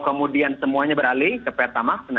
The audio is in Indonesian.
kemudian semuanya beralih ke pertamax